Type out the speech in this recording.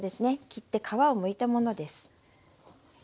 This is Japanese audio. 切って皮をむいたものです。